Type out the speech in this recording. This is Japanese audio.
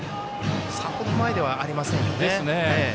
さほど前ではありませんよね。